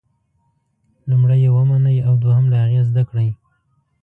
لومړی یې ومنئ او دوهم له هغې زده کړئ.